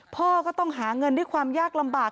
พ่อก็ต้องหาเงินด้วยความยากลำบาก